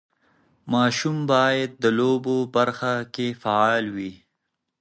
ماشوم باید د لوبو برخه کې فعال وي.